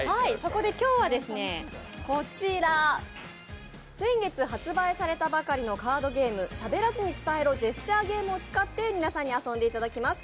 今日は先月発売されたばかりのカードゲーム、「喋らず伝えろ！ジェスチャーゲーム」を使って皆さんに遊んでいただきます。